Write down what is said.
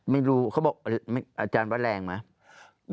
ไม่รู้เขาบอกอาจารย์ว่าแรงไหม